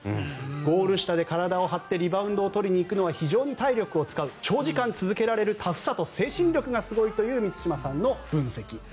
ゴール下で体を張ってリバウンドを取りにいくのは非常に体力を使う長時間続けられるタフさと精神力が強いという満島さんの分析。